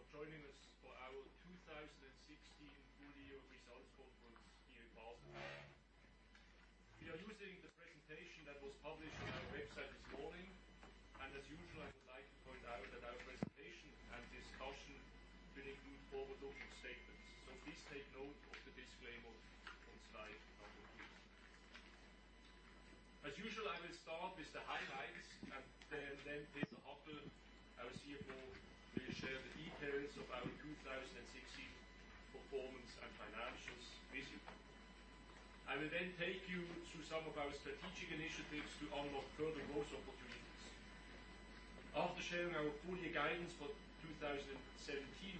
Good morning, everyone. Thank you for joining us for our 2016 full-year results conference here in Basel. We are using the presentation that was published on our website this morning. As usual, I would like to point out that our presentation and discussion will include forward-looking statements. Please take note of the disclaimer on slide two. As usual, I will start with the highlights. Peter Hackel, our CFO, will share the details of our 2016 performance and financials with you. I will take you through some of our strategic initiatives to unlock further growth opportunities. After sharing our full-year guidance for 2017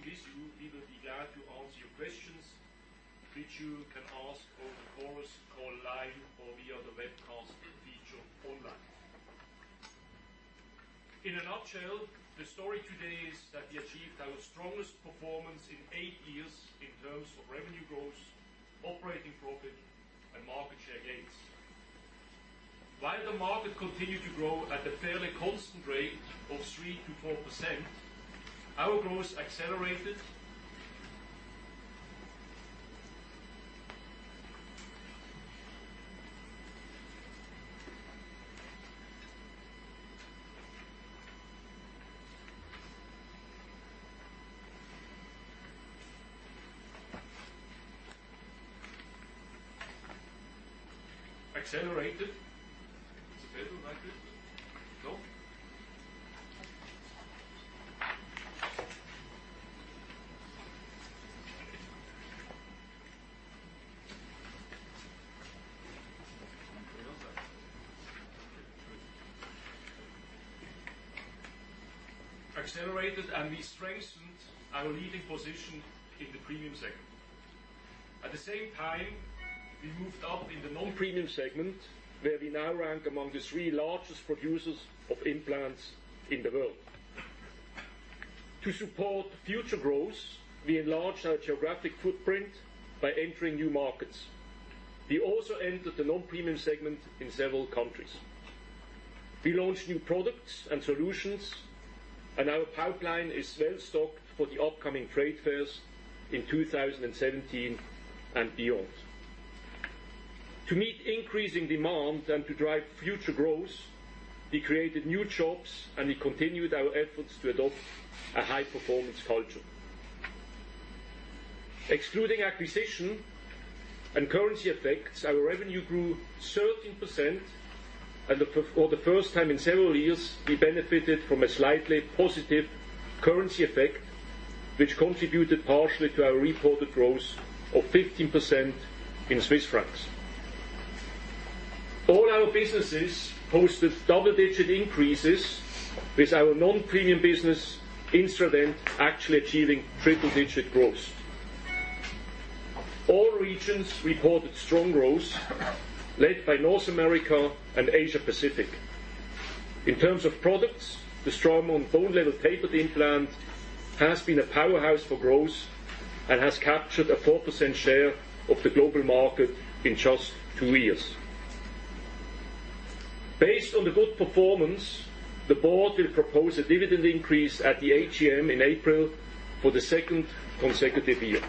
with you, we will be glad to answer your questions, which you can ask over the course, or live, or via the webcast feature online. In a nutshell, the story today is that we achieved our strongest performance in eight years in terms of revenue growth, operating profit, and market share gains. While the market continued to grow at a fairly constant rate of 3%-4%, our growth accelerated. Is it visible now, please? No? Accelerated. We strengthened our leading position in the premium segment. At the same time, we moved up in the non-premium segment, where we now rank among the three largest producers of implants in the world. To support future growth, we enlarged our geographic footprint by entering new markets. We also entered the non-premium segment in several countries. We launched new products and solutions. Our pipeline is well-stocked for the upcoming trade fairs in 2017 and beyond. To meet increasing demand and to drive future growth, we created new jobs. We continued our efforts to adopt a high-performance culture. Excluding acquisition and currency effects, our revenue grew 13%. For the first time in several years, we benefited from a slightly positive currency effect, which contributed partially to our reported growth of 15% in Swiss francs. All our businesses posted double-digit increases, with our non-premium business, Instradent, actually achieving triple-digit growth. All regions reported strong growth, led by North America and Asia-Pacific. In terms of products, the Straumann Bone Level Tapered implant has been a powerhouse for growth and has captured a 4% share of the global market in just two years. Based on the good performance, the board will propose a dividend increase at the AGM in April for the second consecutive year.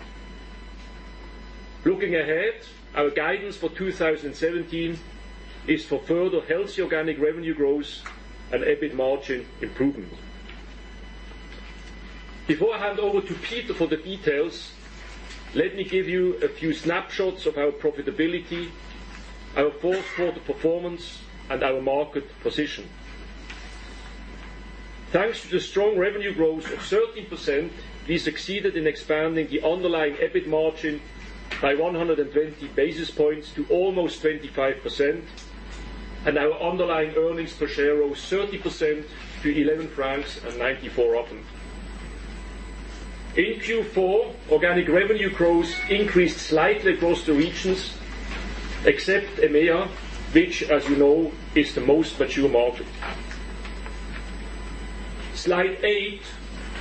Looking ahead, our guidance for 2017 is for further healthy organic revenue growth and EBIT margin improvement. Before I hand over to Peter for the details, let me give you a few snapshots of our profitability, our full-year performance, and our market position. Thanks to the strong revenue growth of 13%, we succeeded in expanding the underlying EBIT margin by 120 basis points to almost 25%. Our underlying earnings per share rose 30% to 11.94 francs. In Q4, organic revenue growth increased slightly across the regions, except EMEA, which, as you know, is the most mature market. Slide eight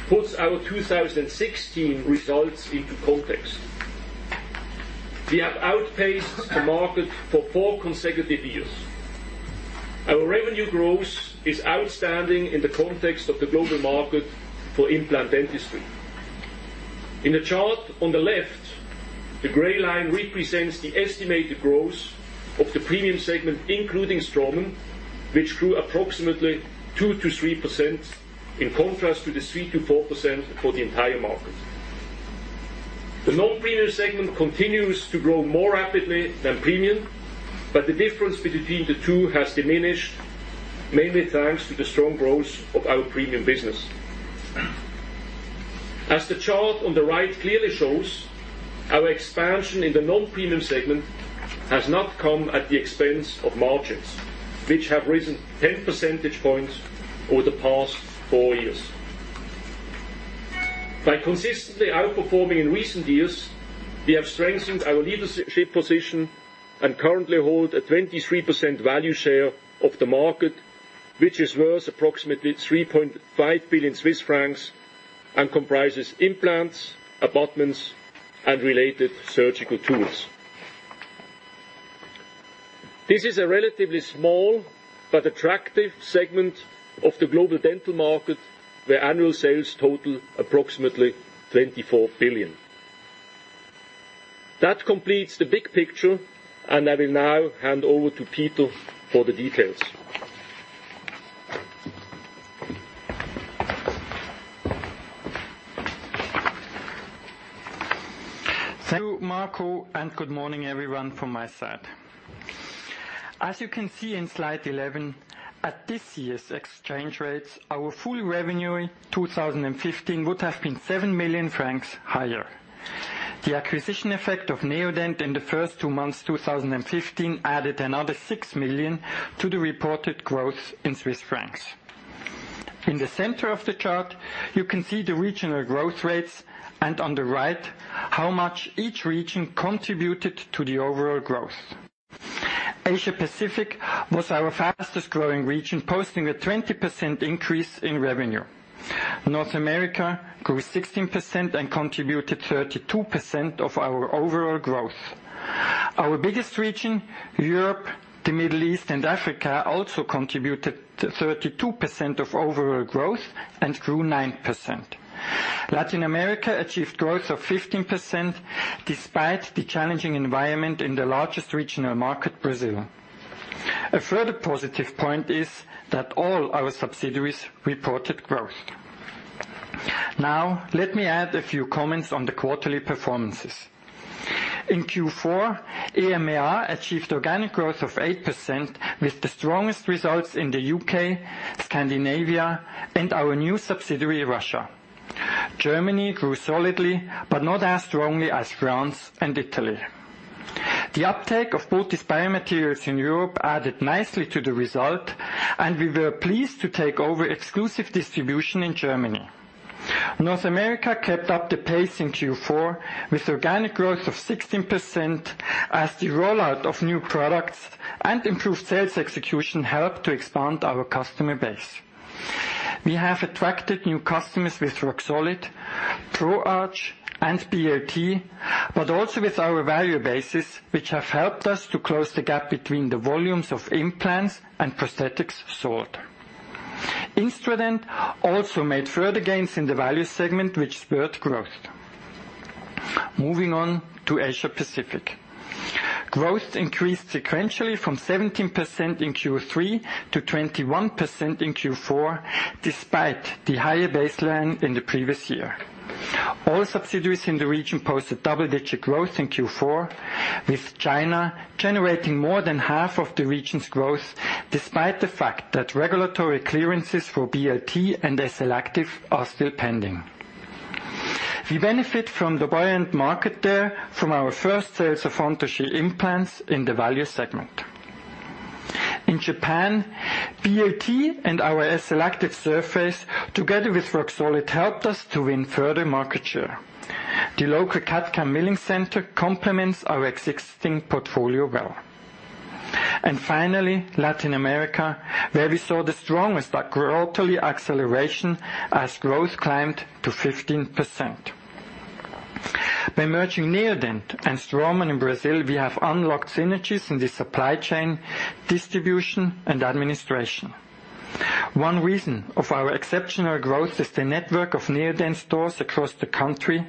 puts our 2016 results into context. We have outpaced the market for four consecutive years. Our revenue growth is outstanding in the context of the global market for implant dentistry. In the chart on the left, the gray line represents the estimated growth of the premium segment, including Straumann, which grew approximately 2%-3%, in contrast to the 3%-4% for the entire market. The non-premium segment continues to grow more rapidly than premium, but the difference between the two has diminished, mainly thanks to the strong growth of our premium business. As the chart on the right clearly shows, our expansion in the non-premium segment has not come at the expense of margins, which have risen 10 percentage points over the past four years. By consistently outperforming in recent years, we have strengthened our leadership position and currently hold a 23% value share of the market, which is worth approximately 3.5 billion Swiss francs and comprises implants, abutments, and related surgical tools. This is a relatively small but attractive segment of the global dental market, where annual sales total approximately 24 billion. That completes the big picture. I will now hand over to Peter for the details. Thank you, Marco. Good morning everyone from my side. As you can see in slide 11, at this year's exchange rates, our full revenue in 2015 would have been 7 million francs higher. The acquisition effect of Neodent in the first two months 2015 added another 6 million to the reported growth in Swiss francs. In the center of the chart, you can see the regional growth rates. On the right, how much each region contributed to the overall growth. Asia Pacific was our fastest-growing region, posting a 20% increase in revenue. North America grew 16% and contributed 32% of our overall growth. Our biggest region, Europe, the Middle East and Africa also contributed to 32% of overall growth and grew 9%. Latin America achieved growth of 15%, despite the challenging environment in the largest regional market, Brazil. A further positive point is that all our subsidiaries reported growth. Let me add a few comments on the quarterly performances. In Q4, EMEA achieved organic growth of 8% with the strongest results in the U.K., Scandinavia, and our new subsidiary, Russia. Germany grew solidly, but not as strongly as France and Italy. The uptake of Botiss biomaterials in Europe added nicely to the result. We were pleased to take over exclusive distribution in Germany. North America kept up the pace in Q4 with organic growth of 16% as the rollout of new products and improved sales execution helped to expand our customer base. We have attracted new customers with Roxolid, Pro Arch, and BLT, but also with our Variobase, which have helped us to close the gap between the volumes of implants and prosthetics sold. Instradent also made further gains in the value segment, which spurred growth. Moving on to Asia Pacific. Growth increased sequentially from 17% in Q3 to 21% in Q4, despite the higher baseline in the previous year. All subsidiaries in the region posted double-digit growth in Q4, with China generating more than half of the region's growth, despite the fact that regulatory clearances for BLT and SLActive are still pending. We benefit from the buoyant market there from our first sales of front teeth implants in the value segment. In Japan, BLT and our SLActive surface together with Roxolid helped us to win further market share. The local CAD/CAM milling center complements our existing portfolio well. Finally, Latin America, where we saw the strongest quarterly acceleration as growth climbed to 15%. By merging Neodent and Straumann in Brazil, we have unlocked synergies in the supply chain, distribution, and administration. One reason of our exceptional growth is the network of Neodent stores across the country,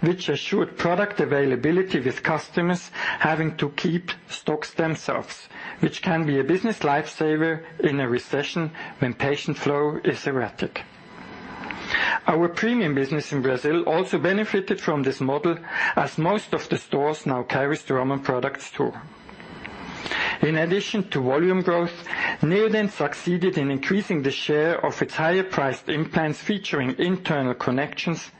which assured product availability with customers having to keep stocks themselves, which can be a business lifesaver in a recession when patient flow is erratic. Our premium business in Brazil also benefited from this model, as most of the stores now carry Straumann products too. In addition to volume growth, Neodent succeeded in increasing the share of its higher-priced implants featuring internal connections,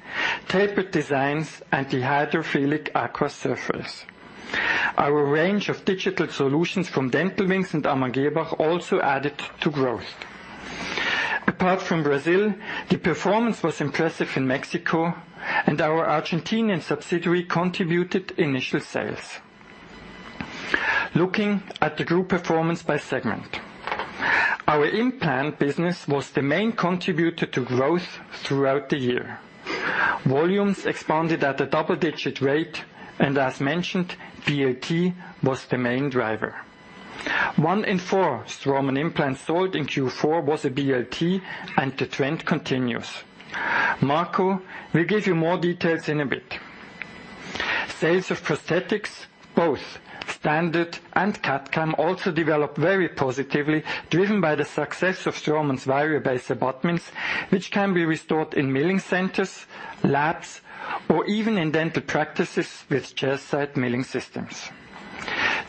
tapered designs, and the hydrophilic Acqua surface. Our range of digital solutions from Dental Wings and Amann Girrbach also added to growth. Apart from Brazil, the performance was impressive in Mexico, and our Argentinian subsidiary contributed initial sales. Looking at the group performance by segment. Our implant business was the main contributor to growth throughout the year. Volumes expanded at a double-digit rate, and as mentioned, BLT was the main driver. One in four Straumann implants sold in Q4 was a BLT, and the trend continues. Marco will give you more details in a bit. Sales of prosthetics, both standard and CAD/CAM, also developed very positively, driven by the success of Straumann's Variobase abutments, which can be restored in milling centers, labs, or even in dental practices with chairside milling systems.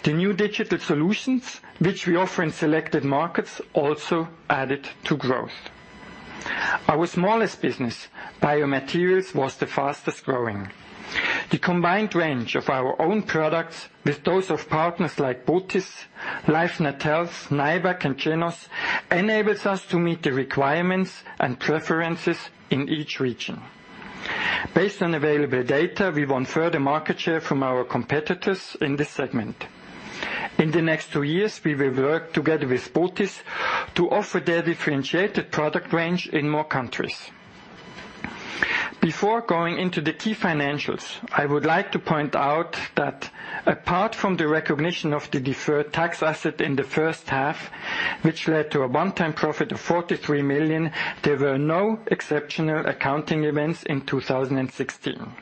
The new digital solutions, which we offer in selected markets, also added to growth. Our smallest business, biomaterials, was the fastest-growing. The combined range of our own products with those of partners like Botiss, LifeNet Health, NIBEC, and GenOs, enables us to meet the requirements and preferences in each region. Based on available data, we won further market share from our competitors in this segment. In the next two years, we will work together with Botiss to offer their differentiated product range in more countries. Before going into the key financials, I would like to point out that apart from the recognition of the deferred tax asset in the first half, which led to a one-time profit of 43 million, there were no exceptional accounting events in 2016.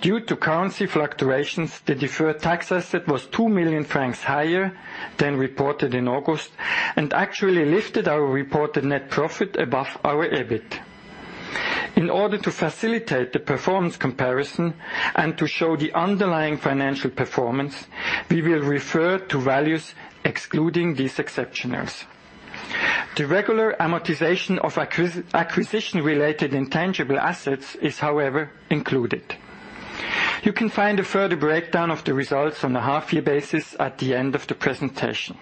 Due to currency fluctuations, the deferred tax asset was 2 million francs higher than reported in August and actually lifted our reported net profit above our EBIT. In order to facilitate the performance comparison and to show the underlying financial performance, we will refer to values excluding these exceptionals. The regular amortization of acquisition-related intangible assets is, however, included. You can find a further breakdown of the results on a half-year basis at the end of the presentation.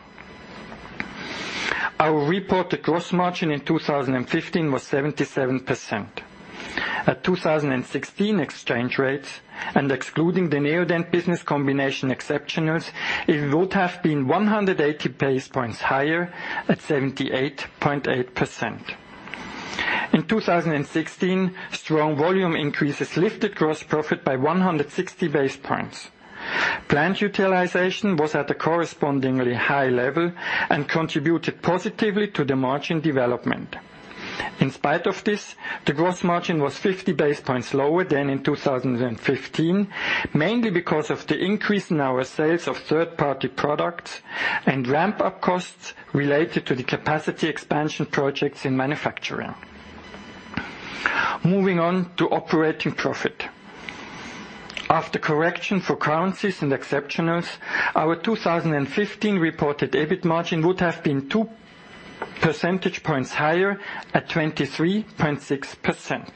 Our reported gross margin in 2015 was 77%. At 2016 exchange rates and excluding the Neodent business combination exceptionals, it would have been 180 basis points higher at 78.8%. In 2016, strong volume increases lifted gross profit by 160 basis points. Plant utilization was at a correspondingly high level and contributed positively to the margin development. In spite of this, the gross margin was 50 basis points lower than in 2015, mainly because of the increase in our sales of third-party products and ramp-up costs related to the capacity expansion projects in manufacturing. Moving on to operating profit. After correction for currencies and exceptionals, our 2015 reported EBIT margin would have been 2 percentage points higher at 23.6%.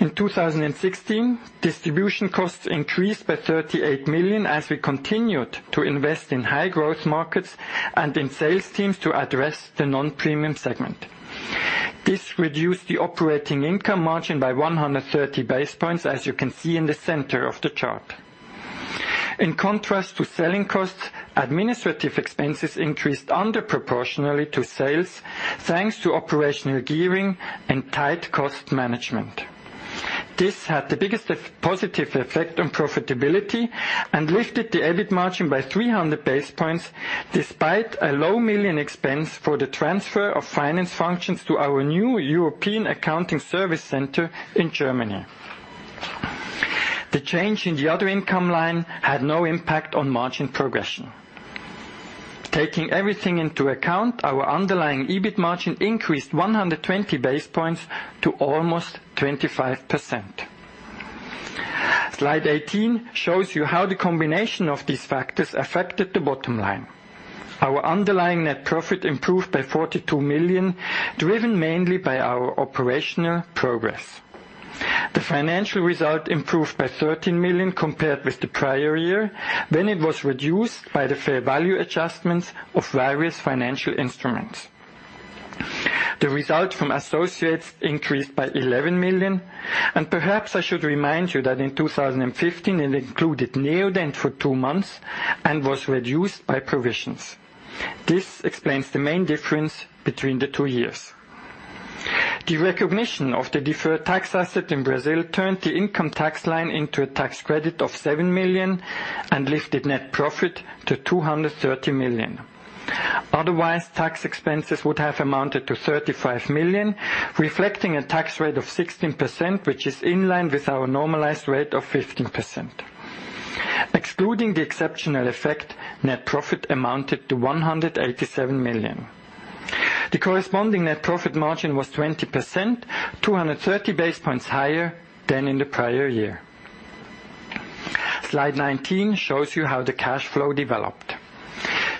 In 2016, distribution costs increased by 38 million as we continued to invest in high growth markets and in sales teams to address the non-premium segment. This reduced the operating income margin by 130 basis points, as you can see in the center of the chart. In contrast to selling costs, administrative expenses increased under proportionally to sales thanks to operational gearing and tight cost management. This had the biggest positive effect on profitability and lifted the EBIT margin by 300 basis points despite a low million expense for the transfer of finance functions to our new European accounting service center in Germany. The change in the other income line had no impact on margin progression. Taking everything into account, our underlying EBIT margin increased 120 basis points to almost 25%. Slide 18 shows you how the combination of these factors affected the bottom line. Our underlying net profit improved by 42 million, driven mainly by our operational progress. The financial result improved by 13 million compared with the prior year, when it was reduced by the fair value adjustments of various financial instruments. The result from associates increased by 11 million, and perhaps I should remind you that in 2015, it included Neodent for 2 months and was reduced by provisions. This explains the main difference between the 2 years. The recognition of the deferred tax asset in Brazil turned the income tax line into a tax credit of 7 million and lifted net profit to 230 million. Otherwise, tax expenses would have amounted to 35 million, reflecting a tax rate of 16%, which is in line with our normalized rate of 15%. Excluding the exceptional effect, net profit amounted to 187 million. The corresponding net profit margin was 20%, 230 basis points higher than in the prior year. Slide 19 shows you how the cash flow developed.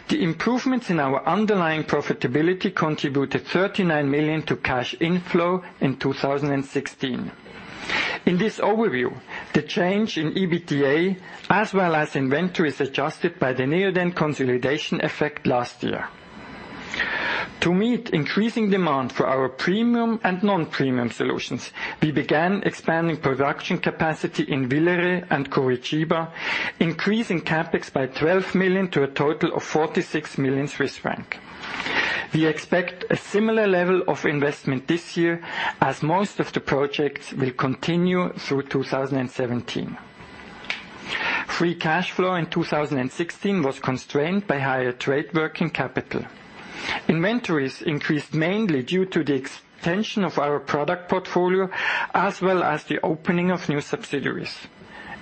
The improvements in our underlying profitability contributed 39 million to cash inflow in 2016. In this overview, the change in EBITDA as well as inventory is adjusted by the Neodent consolidation effect last year. To meet increasing demand for our premium and non-premium solutions, we began expanding production capacity in Villeret and Curitiba, increasing CapEx by 12 million to a total of 46 million Swiss franc. We expect a similar level of investment this year as most of the projects will continue through 2017. Free cash flow in 2016 was constrained by higher trade working capital. Inventories increased mainly due to the extension of our product portfolio as well as the opening of new subsidiaries.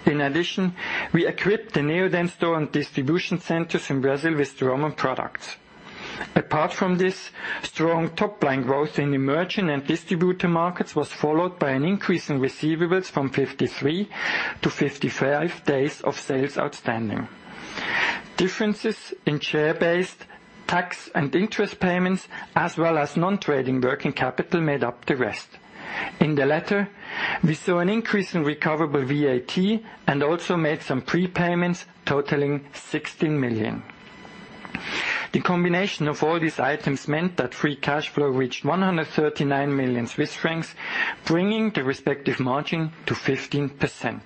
In addition, we equipped the Neodent store and distribution centers in Brazil with Straumann products. Apart from this, strong top-line growth in emerging and distributor markets was followed by an increase in receivables from 53 to 55 days of sales outstanding. Differences in share-based tax and interest payments as well as non-trading working capital made up the rest. In the latter, we saw an increase in recoverable VAT and also made some prepayments totaling 16 million. The combination of all these items meant that free cash flow reached 139 million Swiss francs, bringing the respective margin to 15%.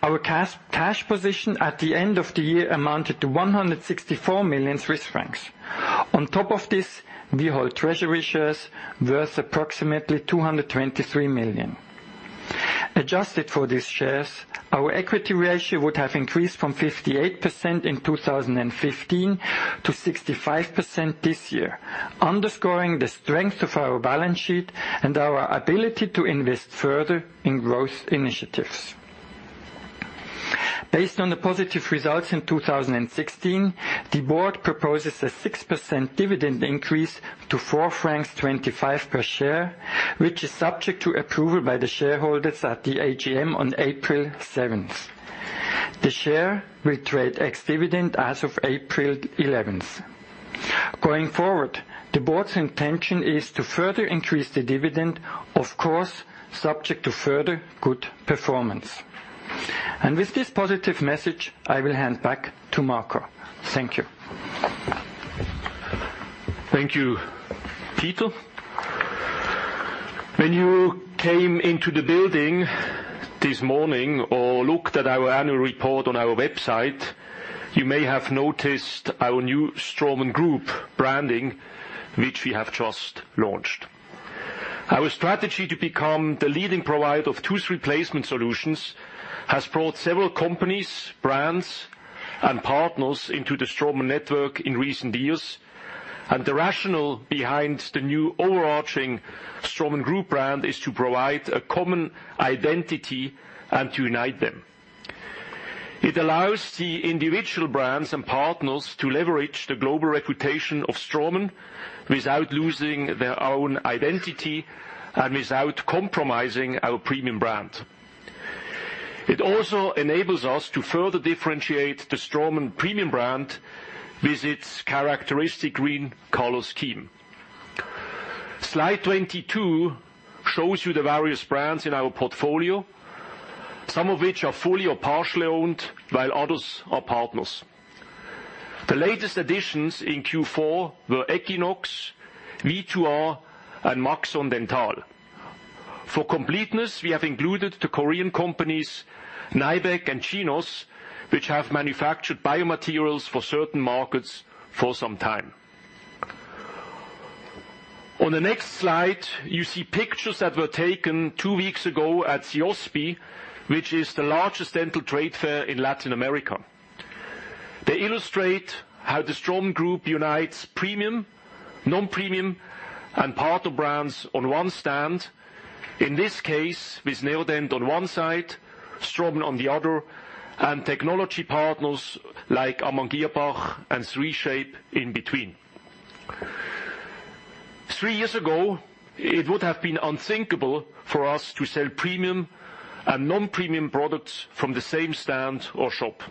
Our cash position at the end of the year amounted to 164 million Swiss francs. On top of this, we hold treasury shares worth approximately 223 million. Adjusted for these shares, our equity ratio would have increased from 58% in 2015 to 65% this year, underscoring the strength of our balance sheet and our ability to invest further in growth initiatives. Based on the positive results in 2016, the board proposes a 6% dividend increase to 4.25 francs per share, which is subject to approval by the shareholders at the AGM on April 7th. The share will trade ex-dividend as of April 11th. Going forward, the board's intention is to further increase the dividend, of course, subject to further good performance. With this positive message, I will hand back to Marco. Thank you. Thank you, Peter. When you came into the building this morning or looked at our annual report on our website, you may have noticed our new Straumann Group branding, which we have just launched. Our strategy to become the leading provider of tooth replacement solutions has brought several companies, brands, and partners into the Straumann network in recent years. The rationale behind the new overarching Straumann Group brand is to provide a common identity and to unite them. It allows the individual brands and partners to leverage the global reputation of Straumann without losing their own identity and without compromising our premium brand. It also enables us to further differentiate the Straumann premium brand with its characteristic green color scheme. Slide 22 shows you the various brands in our portfolio, some of which are fully or partially owned, while others are partners. The latest additions in Q4 were Equinox, V2R, and maxon dental. For completeness, we have included the Korean companies, NIBEC and GenOs, which have manufactured biomaterials for certain markets for some time. On the next slide, you see pictures that were taken two weeks ago at CIOSP, which is the largest dental trade fair in Latin America. They illustrate how the Straumann Group unites premium, non-premium, and partner brands on one stand. In this case, with Neodent on one side, Straumann on the other, and technology partners like Amann Girrbach and 3Shape in between. Three years ago, it would have been unthinkable for us to sell premium and non-premium products from the same stand or shop.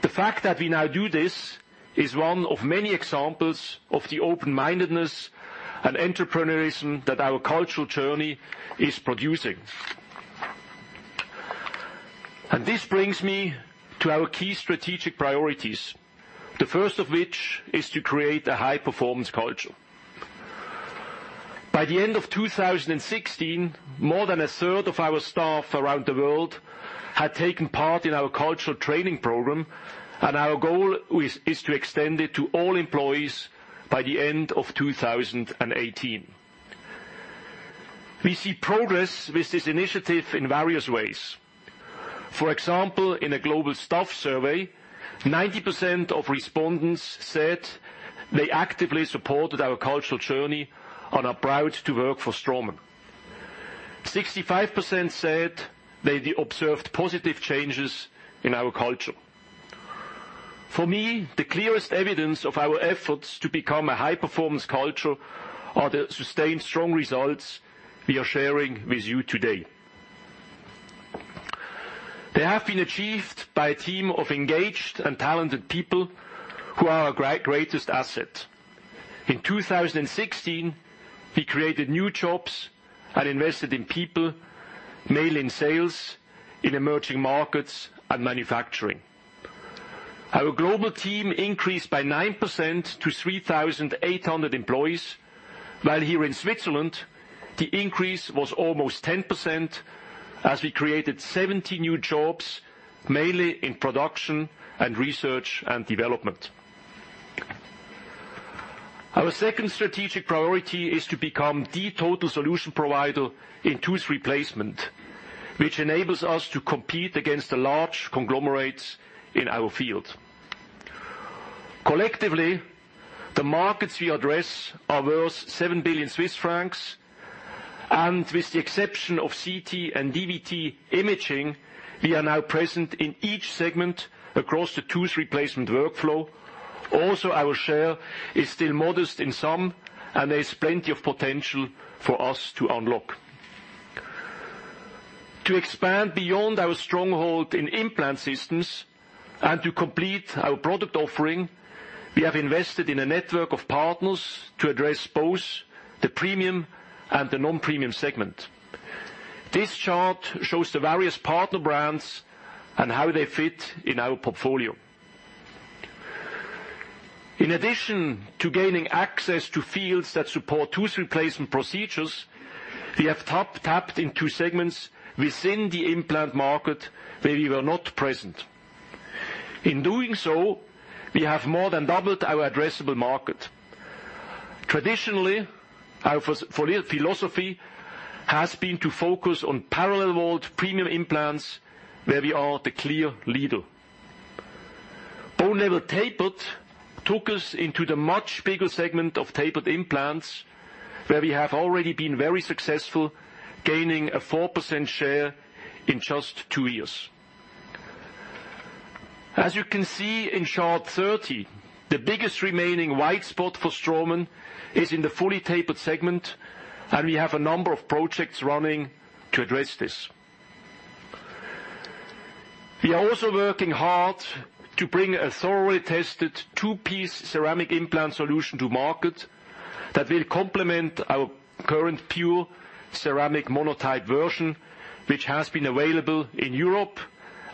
The fact that we now do this is one of many examples of the open-mindedness and entrepreneurism that our cultural journey is producing. This brings me to our key strategic priorities, the first of which is to create a high-performance culture. By the end of 2016, more than a third of our staff around the world had taken part in our cultural training program, and our goal is to extend it to all employees by the end of 2018. We see progress with this initiative in various ways. For example, in a global staff survey, 90% of respondents said they actively supported our cultural journey and are proud to work for Straumann. 65% said they observed positive changes in our culture. For me, the clearest evidence of our efforts to become a high-performance culture are the sustained strong results we are sharing with you today. They have been achieved by a team of engaged and talented people who are our greatest asset. In 2016, we created new jobs and invested in people, mainly in sales, in emerging markets, and manufacturing. Our global team increased by 9% to 3,800 employees, while here in Switzerland, the increase was almost 10% as we created 70 new jobs, mainly in production and research and development. Our second strategic priority is to become the total solution provider in tooth replacement, which enables us to compete against the large conglomerates in our field. Collectively, the markets we address are worth 7 billion Swiss francs, and with the exception of CT and DVT imaging, we are now present in each segment across the tooth replacement workflow. Our share is still modest in some, and there is plenty of potential for us to unlock. To expand beyond our stronghold in implant systems and to complete our product offering, we have invested in a network of partners to address both the premium and the non-premium segment. This chart shows the various partner brands and how they fit in our portfolio. In addition to gaining access to fields that support tooth replacement procedures, we have tapped into segments within the implant market where we were not present. In doing so, we have more than doubled our addressable market. Traditionally, our philosophy has been to focus on parallel wall premium implants where we are the clear leader. Bone Level Tapered took us into the much bigger segment of tapered implants, where we have already been very successful, gaining a 4% share in just two years. As you can see in chart 30, the biggest remaining white spot for Straumann is in the fully tapered segment, and we have a number of projects running to address this. We are also working hard to bring a thoroughly tested two-piece ceramic implant solution to market that will complement our current PURE ceramic monotype version, which has been available in Europe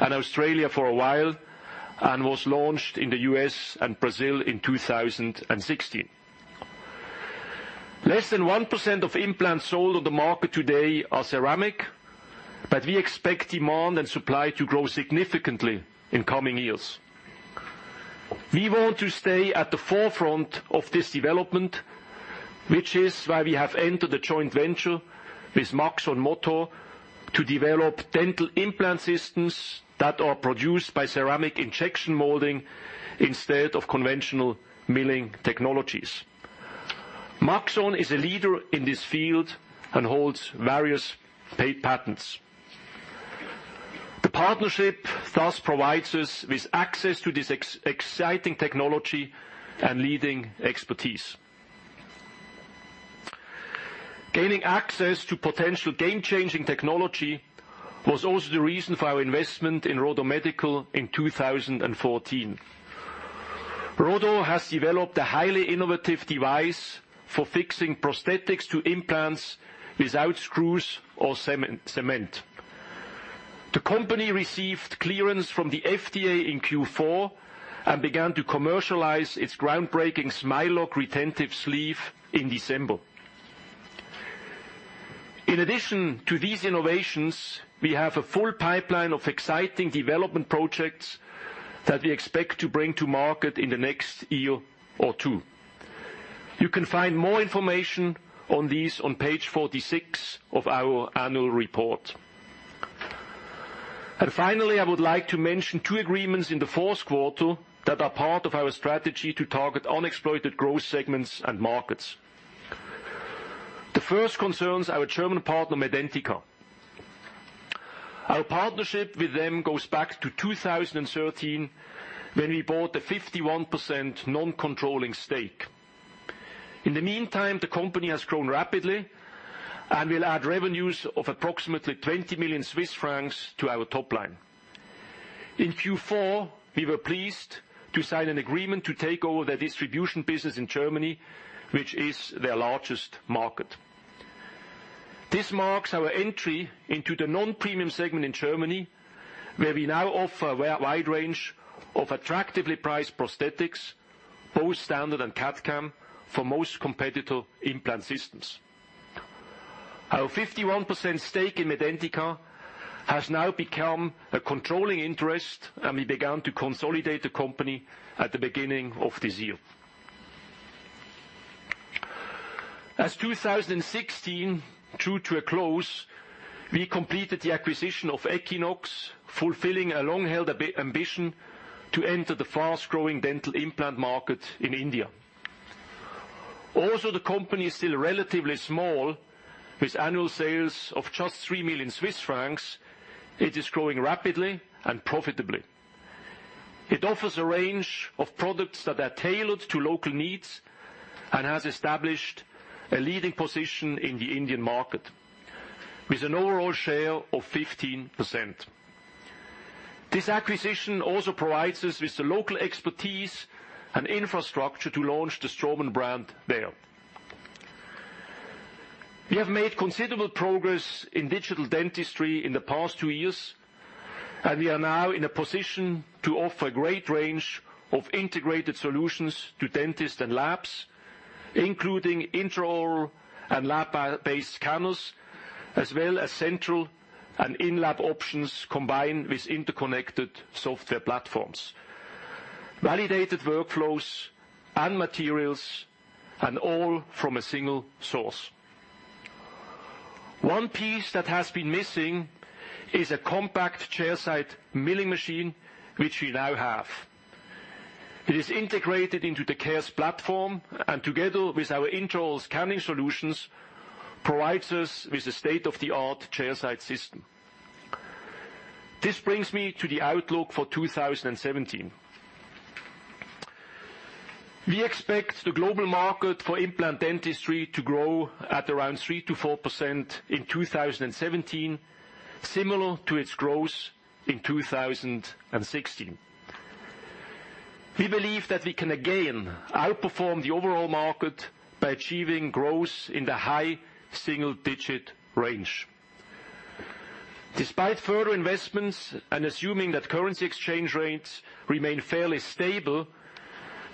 and Australia for a while, and was launched in the U.S. and Brazil in 2016. Less than 1% of implants sold on the market today are ceramic. We expect demand and supply to grow significantly in coming years. We want to stay at the forefront of this development, which is why we have entered the joint venture with maxon motor to develop dental implant systems that are produced by ceramic injection molding instead of conventional milling technologies. Maxon is a leader in this field and holds various paid patents. The partnership thus provides us with access to this exciting technology and leading expertise. Gaining access to potential game-changing technology was also the reason for our investment in RODO Medical in 2014. RODO has developed a highly innovative device for fixing prosthetics to implants without screws or cement. The company received clearance from the FDA in Q4 and began to commercialize its groundbreaking Smileloc retentive sleeve in December. In addition to these innovations, we have a full pipeline of exciting development projects that we expect to bring to market in the next year or two. You can find more information on these on page 46 of our annual report. Finally, I would like to mention two agreements in the fourth quarter that are part of our strategy to target unexploited growth segments and markets. The first concerns our German partner, Medentika. Our partnership with them goes back to 2013, when we bought a 51% non-controlling stake. In the meantime, the company has grown rapidly and will add revenues of approximately 20 million Swiss francs to our top line. In Q4, we were pleased to sign an agreement to take over their distribution business in Germany, which is their largest market. This marks our entry into the non-premium segment in Germany, where we now offer a wide range of attractively priced prosthetics, both standard and CAD/CAM, for most competitor implant systems. Our 51% stake in Medentika has now become a controlling interest, and we began to consolidate the company at the beginning of this year. As 2016 drew to a close, we completed the acquisition of Equinox, fulfilling a long-held ambition to enter the fast-growing dental implant market in India. The company is still relatively small with annual sales of just 3 million Swiss francs. It is growing rapidly and profitably. It offers a range of products that are tailored to local needs and has established a leading position in the Indian market with an overall share of 15%. This acquisition also provides us with the local expertise and infrastructure to launch the Straumann brand there. We have made considerable progress in digital dentistry in the past two years, and we are now in a position to offer a great range of integrated solutions to dentists and labs, including intra-oral and lab-based scanners, as well as central and in-lab options combined with interconnected software platforms, validated workflows and materials, and all from a single source. One piece that has been missing is a compact chairside milling machine, which we now have. It is integrated into the Carestream platform and together with our intra-oral scanning solutions, provides us with a state-of-the-art chairside system. This brings me to the outlook for 2017. We expect the global market for implant dentistry to grow at around 3%-4% in 2017, similar to its growth in 2016. We believe that we can again outperform the overall market by achieving growth in the high single-digit range. Despite further investments and assuming that currency exchange rates remain fairly stable,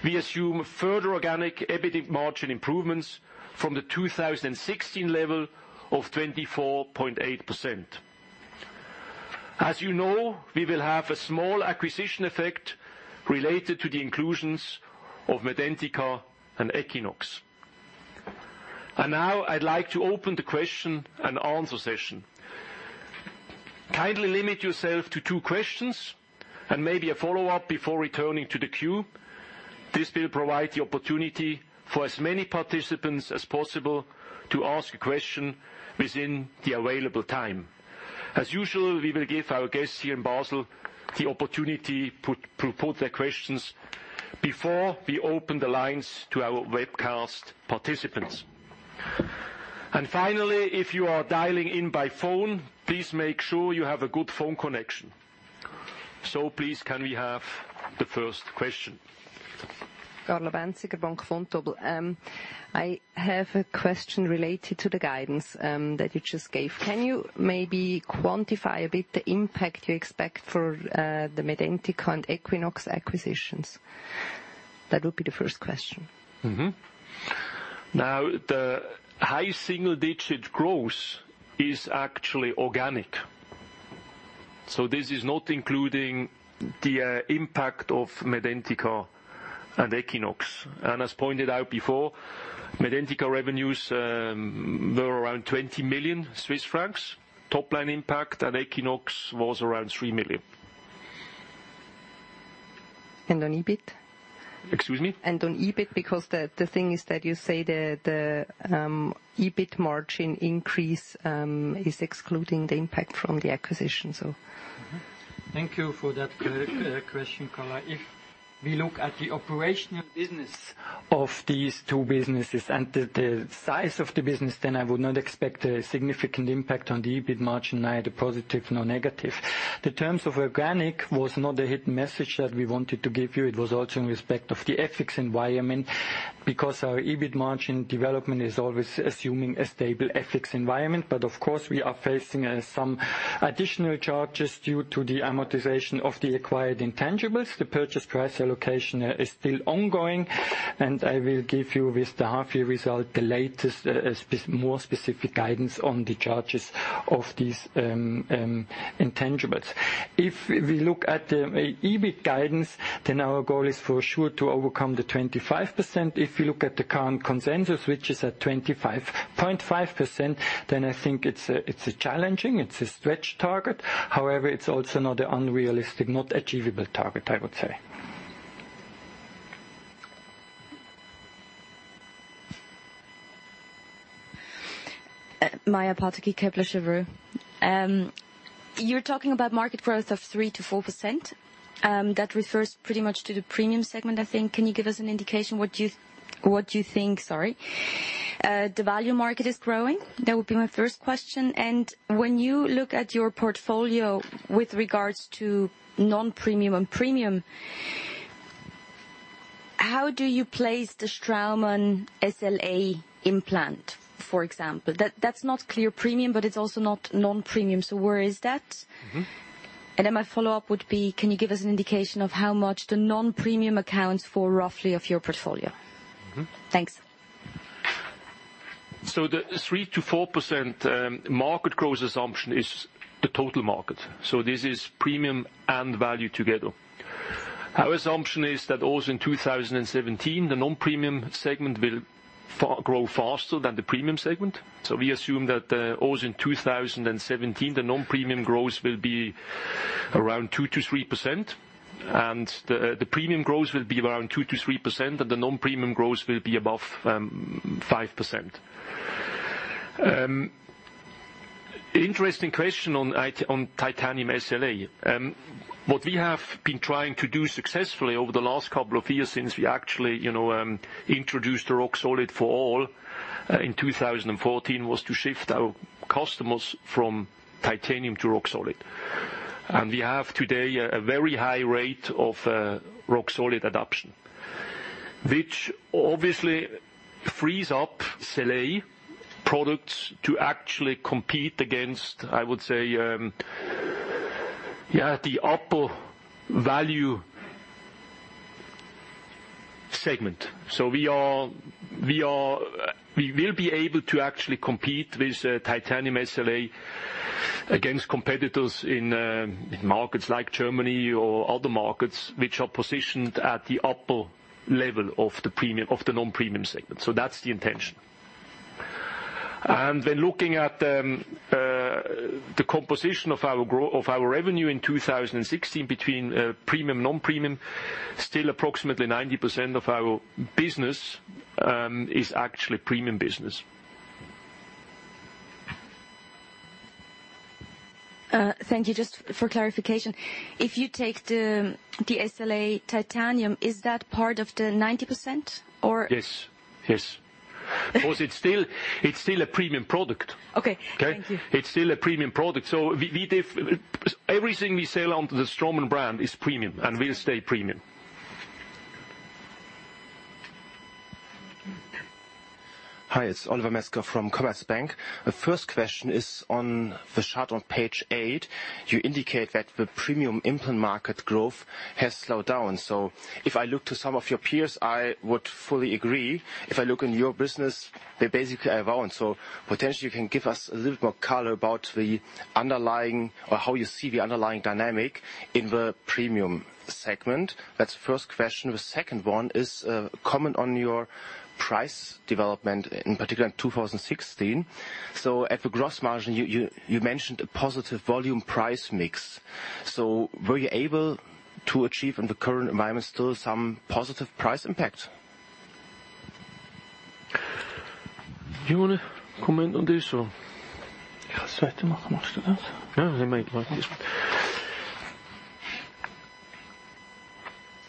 we assume further organic EBIT margin improvements from the 2016 level of 24.8%. As you know, we will have a small acquisition effect related to the inclusions of Medentika and Equinox. Now I'd like to open the question and answer session. Kindly limit yourself to two questions and maybe a follow-up before returning to the queue. This will provide the opportunity for as many participants as possible to ask a question within the available time. As usual, we will give our guests here in Basel the opportunity to put their questions before we open the lines to our webcast participants. Finally, if you are dialing in by phone, please make sure you have a good phone connection. Please can we have the first question? Carla Bänziger, Bank Vontobel. I have a question related to the guidance that you just gave. Can you maybe quantify a bit the impact you expect for the Medentika and Equinox acquisitions? That would be the first question. Now, the high single-digit growth is actually organic. This is not including the impact of Medentika and Equinox. As pointed out before, Medentika revenues were around 20 million Swiss francs. Top-line impact at Equinox was around 3 million. On EBIT? Excuse me? On EBIT, because the thing is that you say the EBIT margin increase is excluding the impact from the acquisition. Thank you for that question, Carla. If we look at the operational business of these two businesses and the size of the business, then I would not expect a significant impact on the EBIT margin, neither positive nor negative. The terms of organic was not a hidden message that we wanted to give you. It was also in respect of the FX environment, because our EBIT margin development is always assuming a stable FX environment. Of course we are facing some additional charges due to the amortization of the acquired intangibles. The purchase price allocation is still ongoing, and I will give you with the half-year result, the latest, more specific guidance on the charges of these intangibles. If we look at the EBIT guidance, then our goal is for sure to overcome the 25%. If you look at the current consensus, which is at 25.5%, then I think it's challenging. It's a stretch target. However, it's also not an unrealistic, not achievable target, I would say. Maja Pataki, Kepler Cheuvreux. You're talking about market growth of 3% to 4%. That refers pretty much to the premium segment, I think. Can you give us an indication what you think the value market is growing? That would be my first question. When you look at your portfolio with regards to non-premium and premium, how do you place the Straumann SLA implant, for example? That's not clear premium, but it's also not non-premium. Where is that? My follow-up would be, can you give us an indication of how much the non-premium accounts for roughly of your portfolio? Thanks. The 3% to 4% market growth assumption is the total market. This is premium and value together. Our assumption is that also in 2017, the non-premium segment will grow faster than the premium segment. We assume that also in 2017, the non-premium growth will be around 2% to 3% and the premium growth will be around 2% to 3%, and the non-premium growth will be above 5%. Interesting question on titanium SLA. What we have been trying to do successfully over the last couple of years, since we actually introduced the Roxolid for all in 2014, was to shift our customers from titanium to Roxolid. We have today a very high rate of Roxolid adoption, which obviously frees up SLA products to actually compete against, I would say, the upper value segment. We will be able to actually compete with titanium SLA against competitors in markets like Germany or other markets which are positioned at the upper level of the non-premium segment. That's the intention. Looking at the composition of our revenue in 2016 between premium and non-premium, still approximately 90% of our business is actually premium business. Thank you. Just for clarification, if you take the SLA titanium, is that part of the 90% or? Yes. Because it's still a premium product. Okay. Thank you. It's still a premium product. Everything we sell under the Straumann brand is premium, and will stay premium. Hi, it's Oliver Metzger from Commerzbank. The first question is on the chart on page eight, you indicate that the premium implant market growth has slowed down. If I look to some of your peers, I would fully agree. If I look in your business, they basically haven't. Potentially you can give us a little more color about the underlying, or how you see the underlying dynamic in the premium segment. That's the first question. The second one is, comment on your price development, in particular in 2016. At the gross margin, you mentioned a positive volume price mix. Were you able to achieve in the current environment still some positive price impact? Do you want to comment on this, or? I can try to comment on that. Yeah, he might like this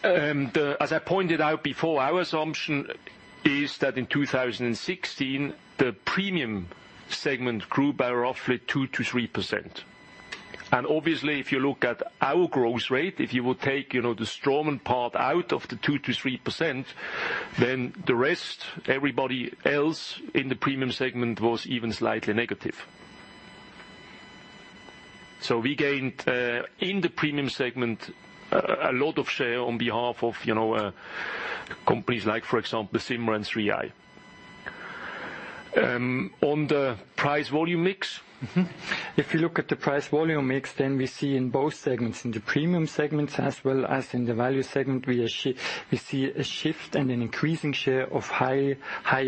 one. As I pointed out before, our assumption is that in 2016, the premium segment grew by roughly 2%-3%. Obviously, if you look at our growth rate, if you would take the Straumann part out of the 2%-3%, then the rest, everybody else in the premium segment was even slightly negative. We gained, in the premium segment, a lot of share on behalf of companies like, for example, Sirona and 3i. On the price volume mix? Mm-hmm. If you look at the price volume mix, we see in both segments, in the premium segments as well as in the value segment, we see a shift and an increasing share of higher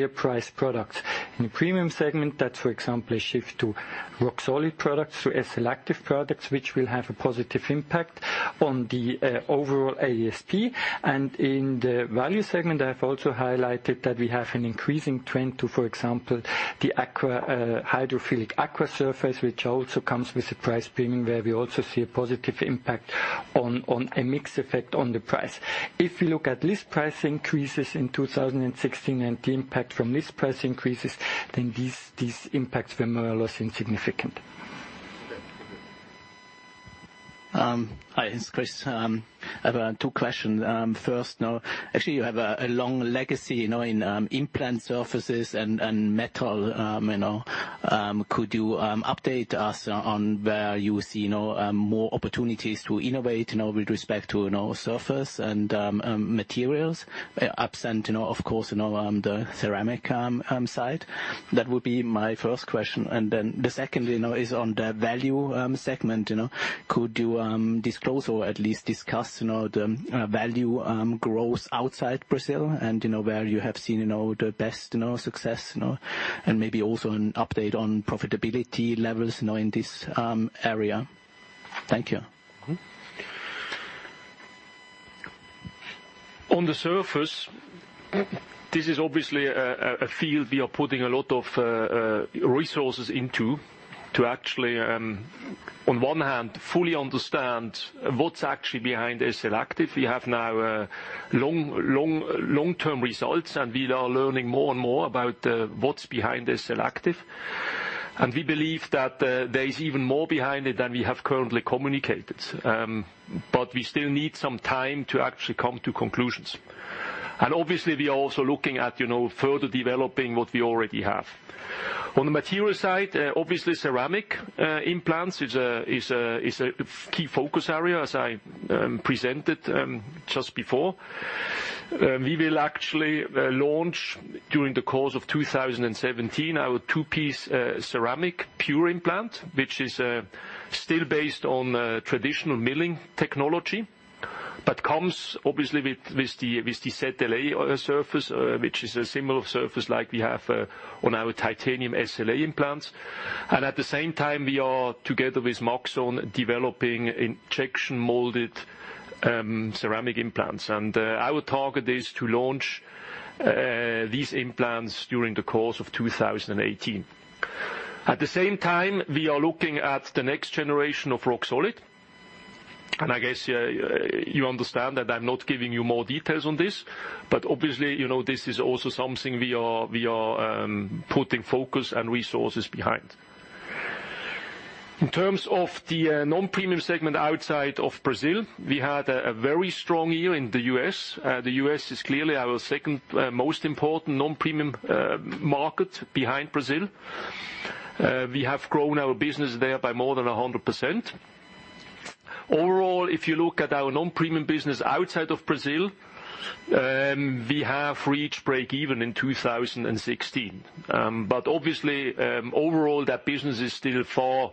priced products. In the premium segment, that's, for example, a shift to Roxolid products, to SLActive products, which will have a positive impact on the overall ASP. In the value segment, I have also highlighted that we have an increasing trend to, for example, the hydrophilic Acqua, which also comes with a price premium, where we also see a positive impact on a mix effect on the price. If you look at list price increases in 2016 and the impact from list price increases, these impacts were more or less insignificant. Okay. Hi, it's Chris. I have two questions. First, actually you have a long legacy in implant surfaces and metal. Could you update us on where you see more opportunities to innovate with respect to surface and materials, absent, of course, the ceramic side? That would be my first question. The second is on the value segment. Could you disclose or at least discuss the value growth outside Brazil, and where you have seen the best success? Maybe also an update on profitability levels in this area. Thank you. On the surface, this is obviously a field we are putting a lot of resources into to actually, on one hand, fully understand what's actually behind SLActive. We have now long-term results, we are learning more and more about what's behind SLActive. We believe that there is even more behind it than we have currently communicated. We still need some time to actually come to conclusions. Obviously, we are also looking at further developing what we already have. On the material side, obviously ceramic implants is a key focus area, as I presented just before. We will actually launch during the course of 2017, our two-piece Ceramic PURE Implant, which is still based on traditional milling technology, but comes obviously with the ZLA surface, which is a similar surface like we have on our titanium SLA implants. At the same time, we are, together with Maxon, developing injection-molded ceramic implants. Our target is to launch these implants during the course of 2018. At the same time, we are looking at the next generation of Roxolid. I guess you understand that I'm not giving you more details on this, obviously, this is also something we are putting focus and resources behind. In terms of the non-premium segment outside of Brazil, we had a very strong year in the U.S. The U.S. is clearly our second most important non-premium market behind Brazil. We have grown our business there by more than 100%. Overall, if you look at our non-premium business outside of Brazil, we have reached break even in 2016. overall, that business is still far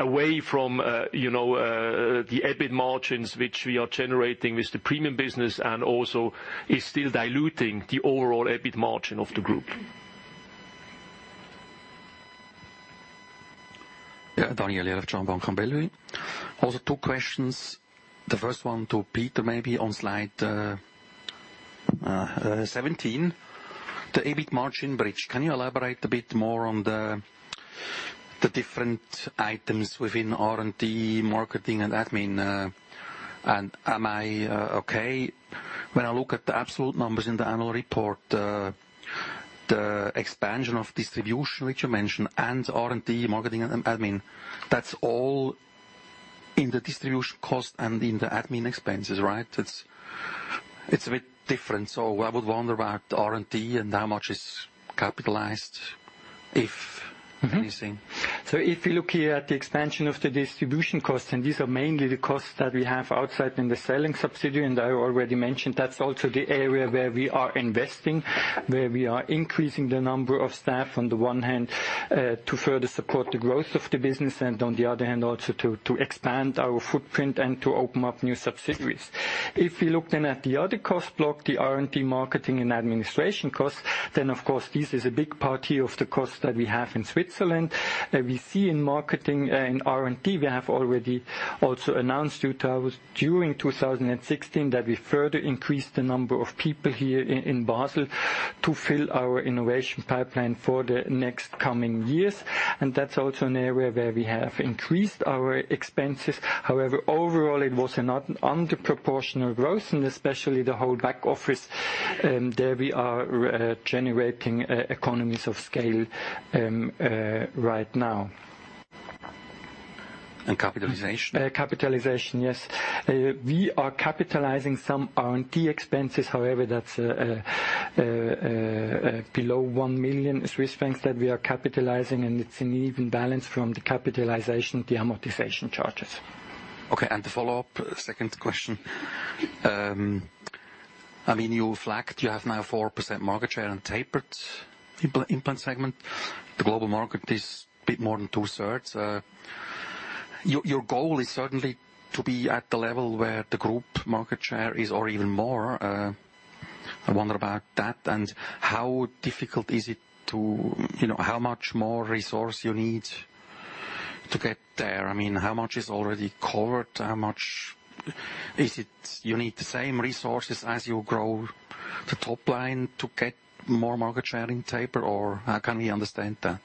away from the EBIT margins which we are generating with the premium business and also is still diluting the overall EBIT margin of the Group. Daniel Jelovcan of Zürcher Kantonalbank. Also two questions. The first one to Peter, maybe on slide 17. The EBIT margin bridge. Can you elaborate a bit more on the different items within R&D, marketing, and admin. Am I okay when I look at the absolute numbers in the annual report, the expansion of distribution, which you mentioned, and R&D, marketing, and admin, that's all in the distribution cost and in the admin expenses, right? It's a bit different. I would wonder about R&D and how much is capitalized, if anything. If you look here at the expansion of the distribution cost, these are mainly the costs that we have outside in the selling subsidiary, I already mentioned that's also the area where we are investing, where we are increasing the number of staff on the one hand, to further support the growth of the business, on the other hand, also to expand our footprint and to open up new subsidiaries. If we look at the other cost block, the R&D marketing and administration costs, of course this is a big part here of the cost that we have in Switzerland. We see in marketing and R&D, we have already also announced during 2016 that we further increased the number of people here in Basel to fill our innovation pipeline for the next coming years. That's also an area where we have increased our expenses. However, overall, it was an under proportional growth and especially the whole back office, there we are generating economies of scale right now. Capitalization? Capitalization, yes. We are capitalizing some R&D expenses. However, that's below 1 million Swiss francs that we are capitalizing, and it's an even balance from the capitalization, the amortization charges. Okay. The follow-up, second question. You flagged you have now 4% market share in tapered implant segment. The global market is a bit more than two-thirds. Your goal is certainly to be at the level where the group market share is or even more. I wonder about that, how much more resource you need to get there? How much is already covered? You need the same resources as you grow the top line to get more market share in taper, or how can we understand that?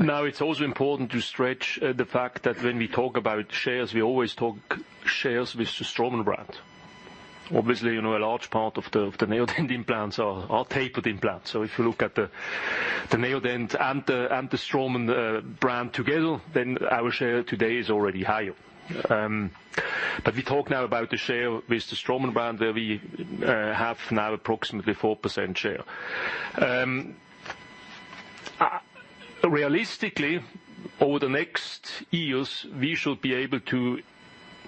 It's also important to stretch the fact that when we talk about shares, we always talk shares with the Straumann brand. Obviously, a large part of the Neodent implants are tapered implants. If you look at the Neodent and the Straumann brand together, then our share today is already higher. We talk now about the share with the Straumann brand, where we have now approximately 4% share. Realistically, over the next years, we should be able to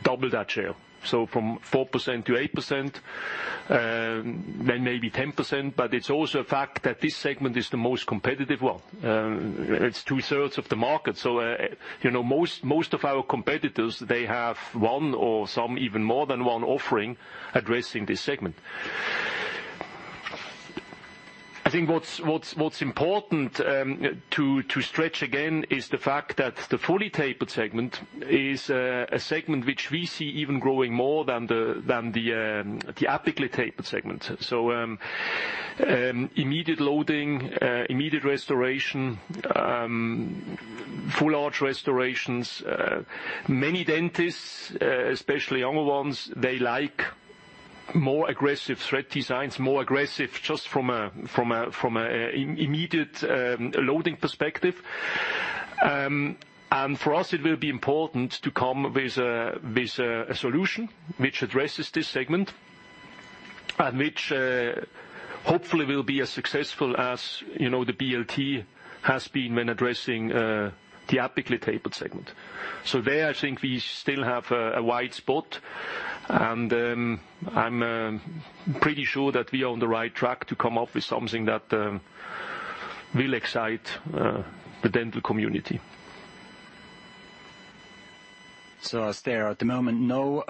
double that share. From 4% to 8%, then maybe 10%, but it's also a fact that this segment is the most competitive one. It's two-thirds of the market. Most of our competitors, they have one or some even more than one offering addressing this segment. I think what's important to stretch again is the fact that the fully tapered segment is a segment which we see even growing more than the apically tapered segment. immediate loading, immediate restoration, full-arch restorations. Many dentists, especially younger ones, they like more aggressive thread designs, more aggressive just from an immediate loading perspective. For us, it will be important to come with a solution which addresses this segment and which hopefully will be as successful as the BLT has been when addressing the apically tapered segment. There, I think we still have a wide spot, and I'm pretty sure that we are on the right track to come up with something that will excite the dental community. As there at the moment, no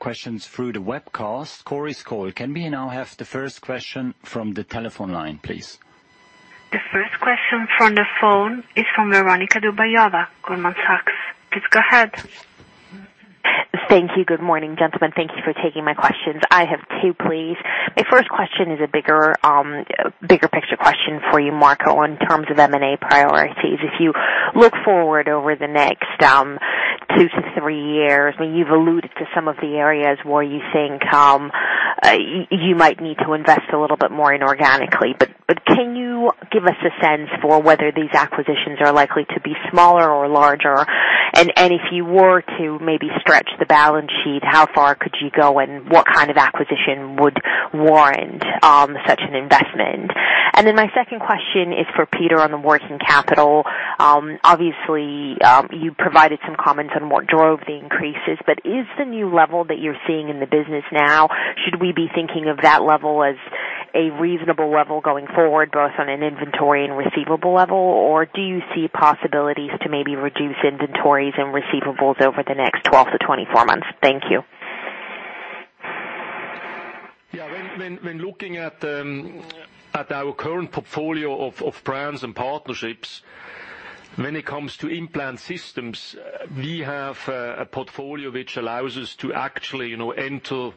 questions through the webcast. Chorus call. Can we now have the first question from the telephone line, please? The first question from the phone is from Veronika Dubajova, Goldman Sachs. Please go ahead. Thank you. Good morning, gentlemen. Thank you for taking my questions. I have two, please. My first question is a bigger picture question for you, Marco, in terms of M&A priorities. If you look forward over the next two to three years, I mean, you've alluded to some of the areas where you think you might need to invest a little bit more inorganically. Can you give us a sense for whether these acquisitions are likely to be smaller or larger? If you were to maybe stretch the balance sheet, how far could you go, and what kind of acquisition would warrant such an investment? My second question is for Peter on the working capital. Obviously, you provided some comments on what drove the increases, but is the new level that you are seeing in the business now, should we be thinking of that level as a reasonable level going forward, both on an inventory and receivable level? Or do you see possibilities to maybe reduce inventories and receivables over the next 12-24 months? Thank you. When looking at our current portfolio of brands and partnerships, when it comes to implant systems, we have a portfolio which allows us to actually enter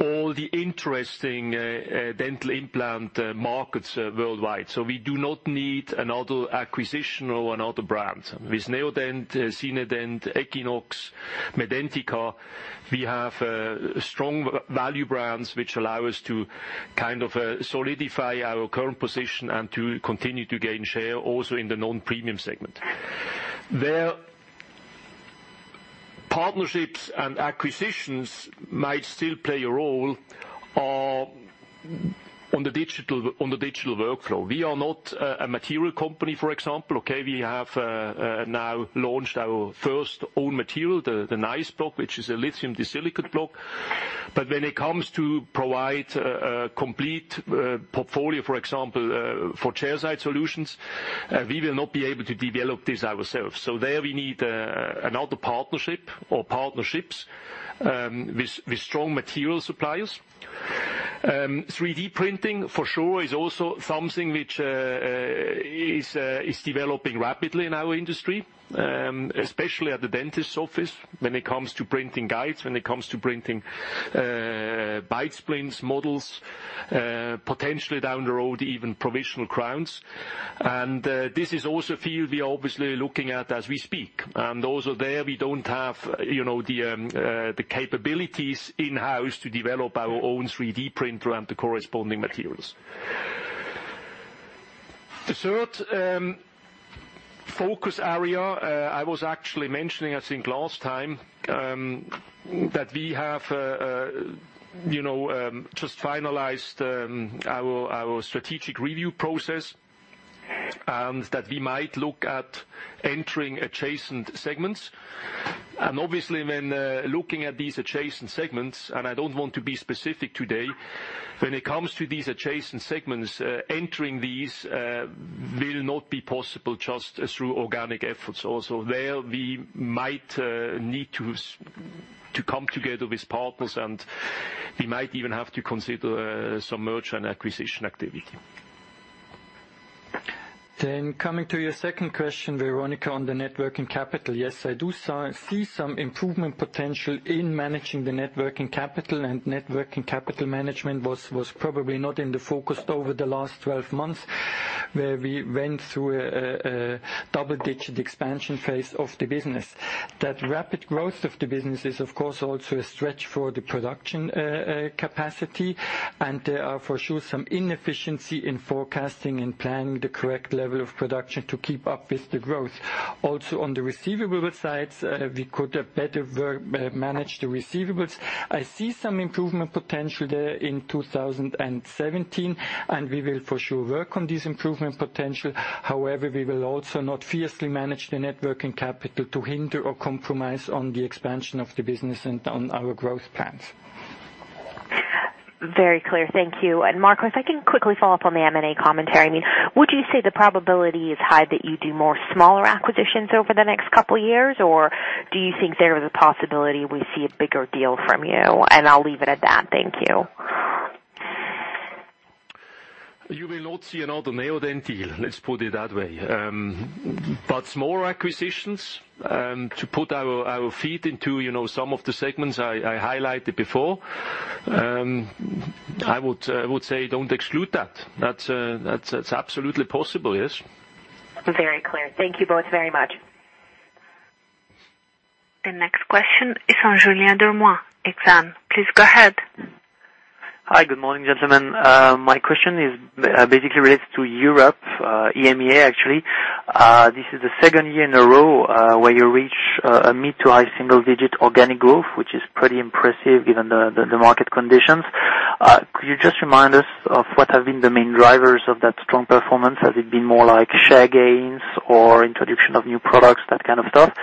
all the interesting dental implant markets worldwide. We do not need another acquisition or another brand. With Neodent, Zinedent, Equinox, Medentika, we have strong value brands which allow us to solidify our current position and to continue to gain share also in the non-premium segment. Where partnerships and acquisitions might still play a role are on the digital workflow. We are not a material company, for example. Okay, we have now launched our first own material, the n!ce block, which is a lithium disilicate block. When it comes to provide a complete portfolio, for example, for chairside solutions, we will not be able to develop this ourselves. There we need another partnership or partnerships with strong material suppliers. 3D printing, for sure, is also something which is developing rapidly in our industry, especially at the dentist's office when it comes to printing guides, when it comes to printing bite splints, models, potentially down the road, even provisional crowns. This is also a field we are obviously looking at as we speak. Also there, we don't have the capabilities in-house to develop our own 3D printer and the corresponding materials. The third focus area, I was actually mentioning, I think last time, that we have just finalized our strategic review process, that we might look at entering adjacent segments. Obviously when looking at these adjacent segments, and I don't want to be specific today, when it comes to these adjacent segments, entering these will not be possible just through organic efforts. Also there, we might need to come together with partners, and we might even have to consider some merger and acquisition activity. Coming to your second question, Veronika, on the net working capital. Yes, I do see some improvement potential in managing the net working capital. Net working capital management was probably not in the focus over the last 12 months, where we went through a double-digit expansion phase of the business. That rapid growth of the business is of course, also a stretch for the production capacity. There are for sure some inefficiency in forecasting and planning the correct level of production to keep up with the growth. Also, on the receivables side, we could better manage the receivables. I see some improvement potential there in 2017. We will for sure work on this improvement potential. However, we will also not fiercely manage the net working capital to hinder or compromise on the expansion of the business and on our growth plans. Very clear. Thank you. Marco, if I can quickly follow up on the M&A commentary. Would you say the probability is high that you do more smaller acquisitions over the next couple of years? Do you think there is a possibility we see a bigger deal from you? I'll leave it at that. Thank you. You will not see another Neodent deal, let's put it that way. Smaller acquisitions, to put our feet into some of the segments I highlighted before, I would say don't exclude that. That's absolutely possible, yes. Very clear. Thank you both very much. The next question is from Julien Dormois, Exane. Please go ahead. Hi. Good morning, gentlemen. My question is basically related to Europe, EMEA actually. This is the second year in a row, where you reach a mid to high single-digit organic growth, which is pretty impressive given the market conditions. Could you just remind us of what have been the main drivers of that strong performance? Has it been more like share gains or introduction of new products, that kind of stuff?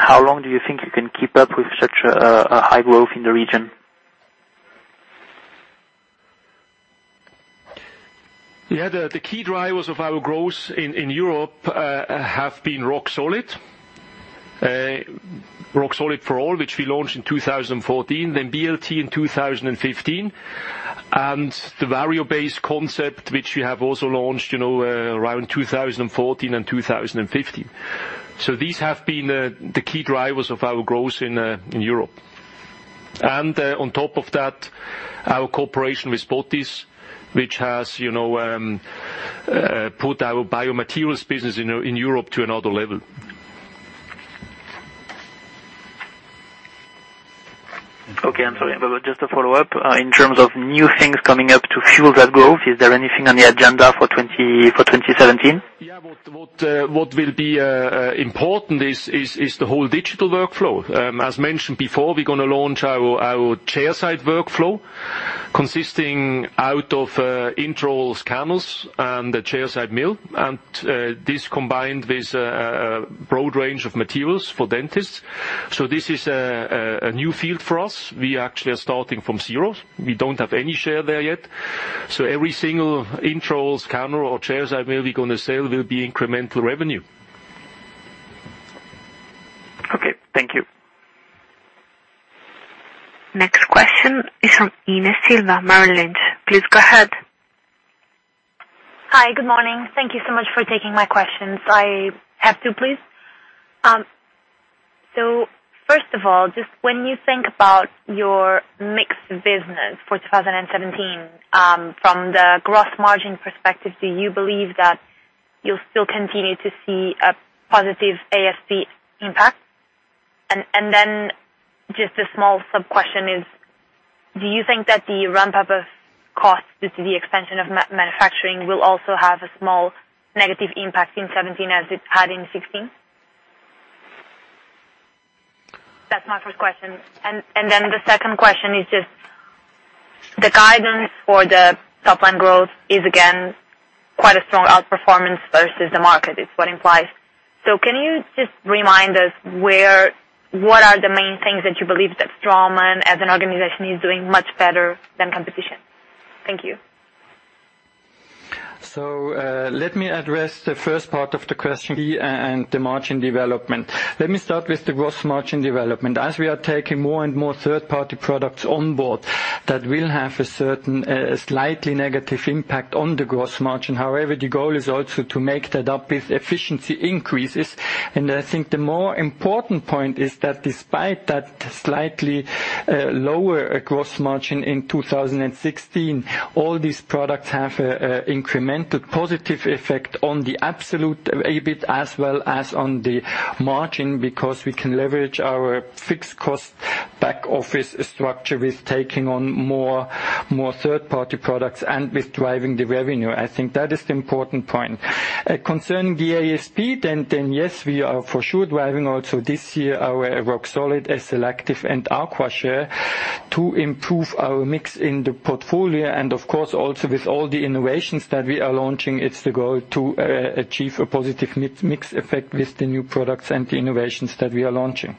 How long do you think you can keep up with such a high growth in the region? The key drivers of our growth in Europe have been Pro Arch, which we launched in 2014, then BLT in 2015. The Variobase concept, which we have also launched around 2014 and 2015. These have been the key drivers of our growth in Europe. On top of that, our cooperation with Botiss which has put our biomaterials business in Europe to another level. I'm sorry, just a follow-up. In terms of new things coming up to fuel that growth, is there anything on the agenda for 2017? Yeah. What will be important is the whole digital workflow. As mentioned before, we're going to launch our chairside workflow consisting out of intraoral scanners and a chairside mill. This combined with a broad range of materials for dentists. This is a new field for us. We actually are starting from zero. We don't have any share there yet. Every single intraoral scanner or chairside mill we're going to sell will be incremental revenue. Okay. Thank you. Next question is from Ines Silva, Merrill Lynch. Please go ahead. Hi. Good morning. Thank you so much for taking my questions. I have two, please. First of all, just when you think about your mixed business for 2017 from the gross margin perspective, do you believe that you'll still continue to see a positive ASP impact? Just a small sub-question is, do you think that the ramp-up of costs due to the expansion of manufacturing will also have a small negative impact in 2017 as it had in 2016? That's my first question. The second question is just the guidance for the top-line growth is again quite a strong outperformance versus the market. It's what implies. Can you just remind us what are the main things that you believe that Straumann as an organization is doing much better than competition? Thank you. Let me address the first part of the question and the margin development. Let me start with the gross margin development. As we are taking more and more third-party products on board, that will have a certain slightly negative impact on the gross margin. However, the goal is also to make that up with efficiency increases. I think the more important point is that despite that slightly lower gross margin in 2016, all these products have incremental positive effect on the absolute EBIT as well as on the margin because we can leverage our fixed cost back-office structure with taking on more third-party products and with driving the revenue. I think that is the important point. Concerning the ASP, then yes, we are for sure driving also this year our Roxolid, SLActive, and Acqua to improve our mix in the portfolio. Of course, also with all the innovations that we are launching, it's the goal to achieve a positive mix effect with the new products and the innovations that we are launching.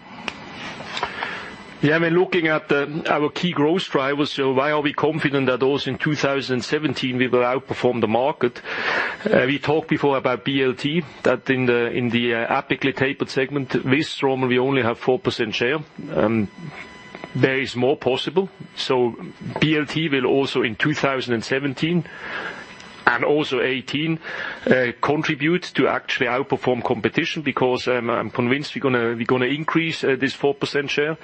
I mean, looking at our key growth drivers, why are we confident that also in 2017 we will outperform the market? We talked before about BLT, that in the apically tapered segment with Straumann, we only have 4% share. There is more possible. BLT will also in 2017 and also 2018, contribute to actually outperform competition because I'm convinced we're going to increase this 4% share.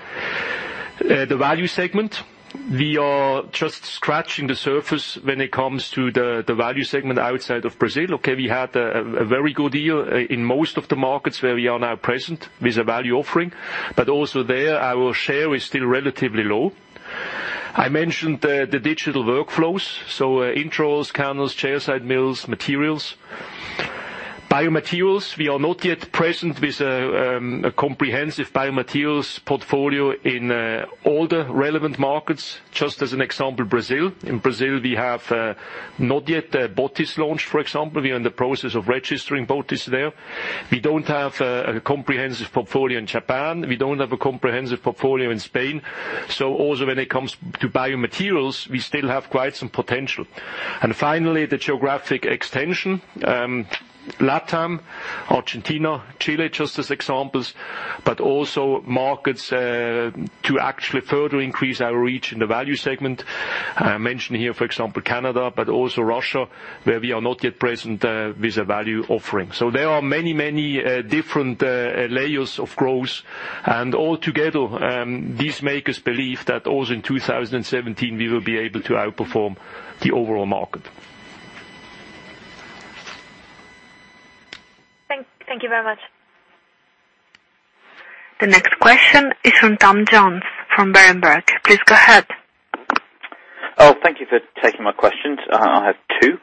The value segment, we are just scratching the surface when it comes to the value segment outside of Brazil. Okay, we had a very good year in most of the markets where we are now present with a value offering. But also there, our share is still relatively low. I mentioned the digital workflows. Intraorals, CAD/CAM, chairside mills, materials. Biomaterials, we are not yet present with a comprehensive biomaterials portfolio in all the relevant markets. Just as an example, Brazil. In Brazil, we have not yet Botiss launch, for example. We are in the process of registering Botiss there. We don't have a comprehensive portfolio in Japan. We don't have a comprehensive portfolio in Spain. Also when it comes to biomaterials, we still have quite some potential. Finally, the geographic extension. LATAM, Argentina, Chile, just as examples, but also markets to actually further increase our reach in the value segment. I mentioned here, for example, Canada, but also Russia, where we are not yet present with a value offering. There are many different layers of growth, and altogether, this make us believe that also in 2017 we will be able to outperform the overall market. Thank you very much. The next question is from Tom Jones from Berenberg. Please go ahead. Thank you for taking my questions. I have two.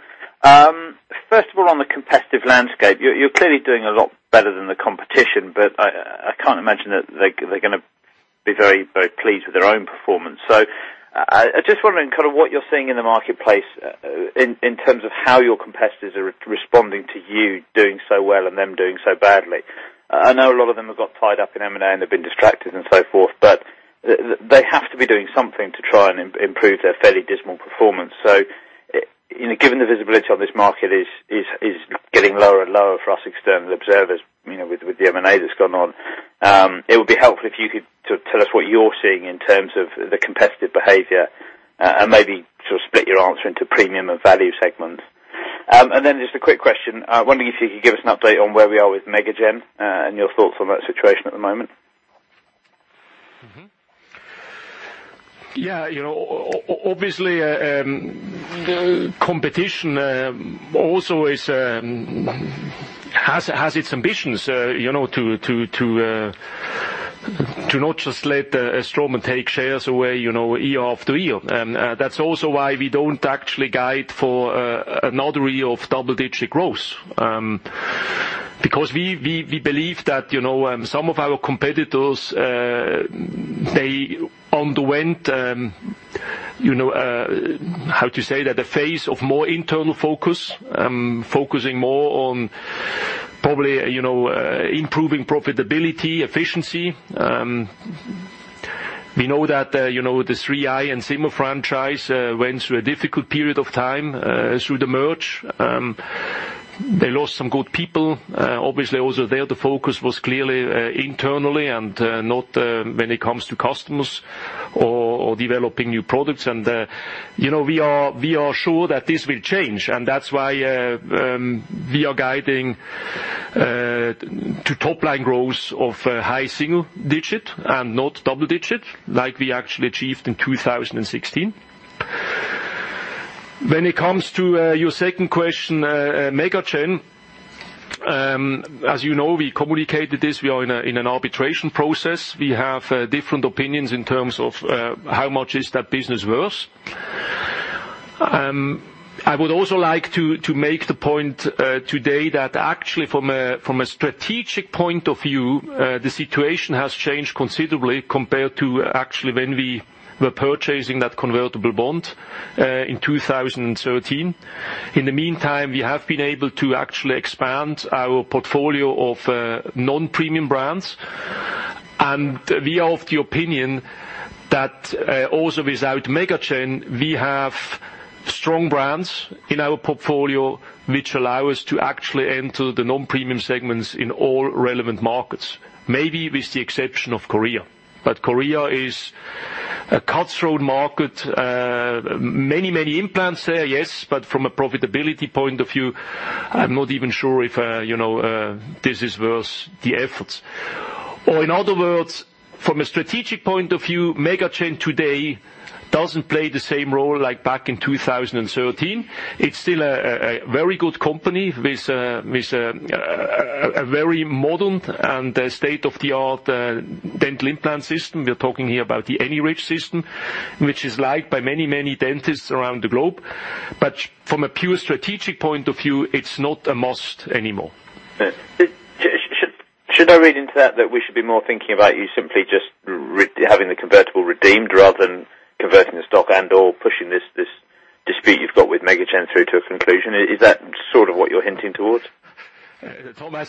First of all, on the competitive landscape, you're clearly doing a lot better than the competition, but I can't imagine that they're going to be very pleased with their own performance. I just wondering what you're seeing in the marketplace in terms of how your competitors are responding to you doing so well and them doing so badly. I know a lot of them have got tied up in M&A and they've been distracted and so forth, but they have to be doing something to try and improve their fairly dismal performance. Given the visibility on this market is getting lower and lower for us external observers with the M&A that's gone on, it would be helpful if you could tell us what you're seeing in terms of the competitive behavior, and maybe sort of split your answer into premium and value segments. Just a quick question. I wonder if you could give us an update on where we are with MegaGen and your thoughts on that situation at the moment. Mm-hmm. Yeah. Obviously, competition also has its ambitions to not just let Straumann take shares away year after year. That's also why we don't actually guide for another year of double-digit growth. We believe that some of our competitors they underwent, how to say that, a phase of more internal focus. Focusing more on probably improving profitability, efficiency. We know that the 3i and Zimmer franchise went through a difficult period of time through the merge. They lost some good people. Obviously also there the focus was clearly internally and not when it comes to customers or developing new products. We are sure that this will change, and that's why we are guiding to top-line growth of high single digit and not double digit like we actually achieved in 2016. When it comes to your second question, MegaGen. As you know, we communicated this, we are in an arbitration process. We have different opinions in terms of how much is that business worth. I would also like to make the point today that actually from a strategic point of view, the situation has changed considerably compared to actually when we were purchasing that convertible bond in 2013. In the meantime, we have been able to actually expand our portfolio of non-premium brands. We are of the opinion that also without MegaGen, we have strong brands in our portfolio which allow us to actually enter the non-premium segments in all relevant markets. Maybe with the exception of Korea. Korea is a cutthroat market. Many implants there, yes, but from a profitability point of view, I'm not even sure if this is worth the efforts. In other words, from a strategic point of view, MegaGen today doesn't play the same role like back in 2013. It's still a very good company with a very modern and state-of-the-art dental implant system. We're talking here about the AnyRidge system, which is liked by many dentists around the globe. From a pure strategic point of view, it's not a must anymore. Should I read into that we should be more thinking about you simply just having the convertible redeemed rather than converting the stock and/or pushing this dispute you've got with MegaGen through to a conclusion? Is that sort of what you're hinting towards? Tom, I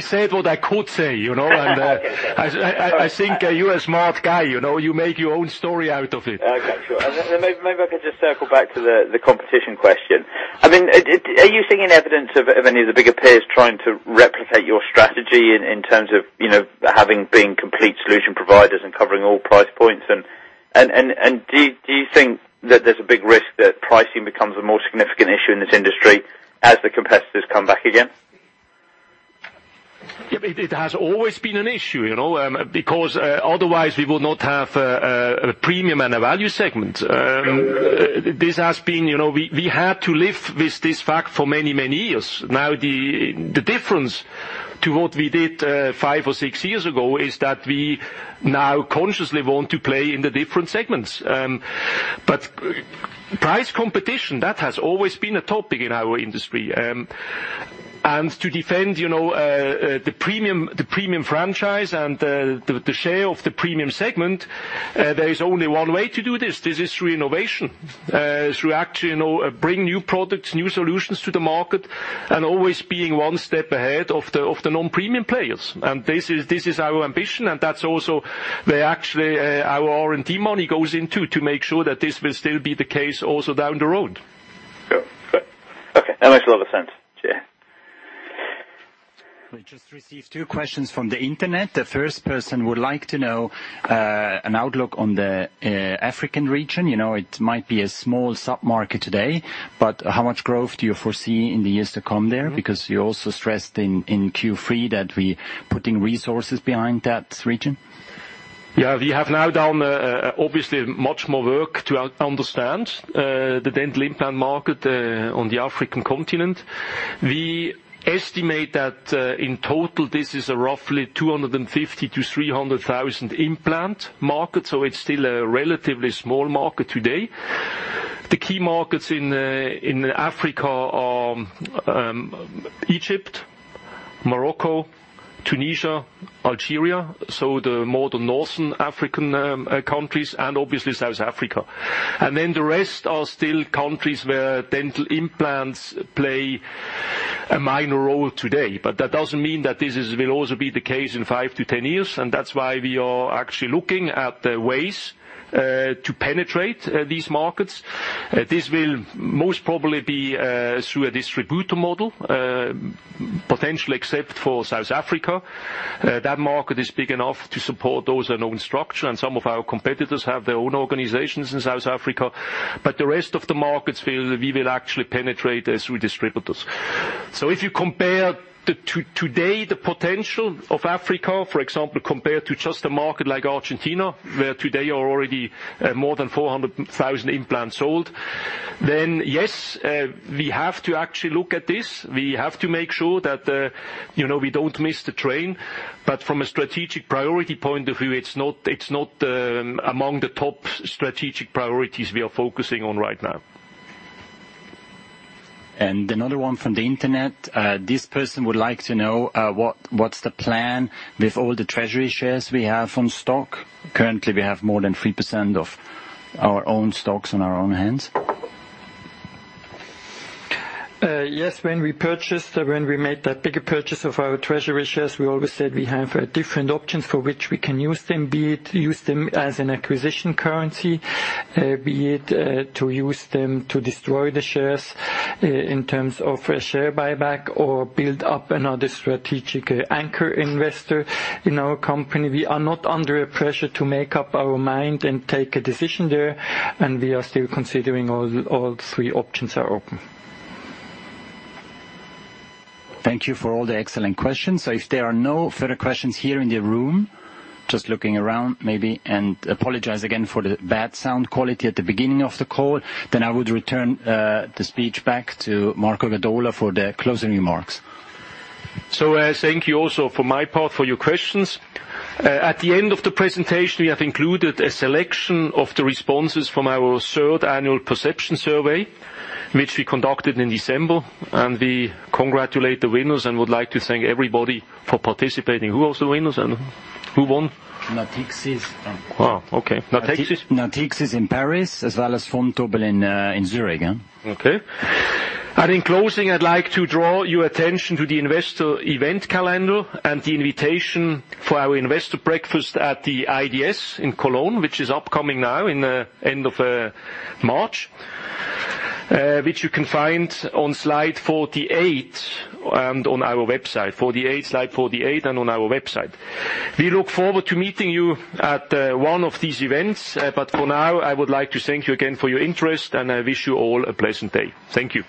said what I could say. Okay, fair. I think you're a smart guy. You make your own story out of it. Okay, sure. Then maybe I could just circle back to the competition question. Are you seeing evidence of any of the bigger peers trying to replicate your strategy in terms of having been complete solution providers and covering all price points? Do you think that there's a big risk that pricing becomes a more significant issue in this industry as the competitors come back again? It has always been an issue. Otherwise we would not have a premium and a value segment. We had to live with this fact for many years. The difference to what we did five or six years ago is that we now consciously want to play in the different segments. Price competition, that has always been a topic in our industry. To defend the premium franchise and the share of the premium segment, there is only one way to do this. This is through innovation, through actually bringing new products, new solutions to the market, and always being one step ahead of the non-premium players. This is our ambition, and that's also where actually our R&D money goes into to make sure that this will still be the case also down the road. Good. Okay, that makes a lot of sense. Cheers. We just received two questions from the internet. The first person would like to know an outlook on the African region. It might be a small sub-market today, but how much growth do you foresee in the years to come there? You also stressed in Q3 that we putting resources behind that region. We have now done obviously much more work to understand the dental implant market on the African continent. We estimate that in total this is a roughly 250,000 to 300,000 implant market, so it's still a relatively small market today. The key markets in Africa are Egypt, Morocco, Tunisia, Algeria. More the Northern African countries, and obviously South Africa. The rest are still countries where dental implants play a minor role today, but that doesn't mean that this will also be the case in five to 10 years. That's why we are actually looking at ways to penetrate these markets. This will most probably be through a distributor model, potentially except for South Africa. That market is big enough to support those own structure, and some of our competitors have their own organizations in South Africa. The rest of the markets we will actually penetrate is through distributors. If you compare today the potential of Africa, for example, compared to just a market like Argentina, where today are already more than 400,000 implants sold, we have to actually look at this. We have to make sure that we don't miss the train. From a strategic priority point of view, it's not among the top strategic priorities we are focusing on right now. Another one from the internet. This person would like to know what's the plan with all the treasury shares we have on stock. Currently we have more than 3% of our own stocks in our own hands. When we made that bigger purchase of our treasury shares, we always said we have different options for which we can use them, be it use them as an acquisition currency, be it to use them to destroy the shares in terms of a share buyback, or build up another strategic anchor investor in our company. We are not under pressure to make up our mind and take a decision there, and we are still considering all three options are open. Thank you for all the excellent questions. If there are no further questions here in the room, just looking around maybe, and apologize again for the bad sound quality at the beginning of the call. I would return the speech back to Marco Gadola for the closing remarks. Thank you also for my part for your questions. At the end of the presentation, we have included a selection of the responses from our third annual perception survey, which we conducted in December. We congratulate the winners and would like to thank everybody for participating. Who was the winners and who won? Natixis. Wow, okay. Natixis? Natixis in Paris as well as Vontobel in Zurich. Okay. In closing, I'd like to draw your attention to the investor event calendar and the invitation for our investor breakfast at the IDS in Cologne, which is upcoming now in the end of March, which you can find on slide 48 and on our website. 48, slide 48, and on our website. We look forward to meeting you at one of these events. For now, I would like to thank you again for your interest, and I wish you all a pleasant day. Thank you.